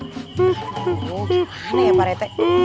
gimana ya pak rete